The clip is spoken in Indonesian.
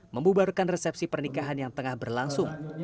membubarkan resepsi pernikahan yang tengah berlangsung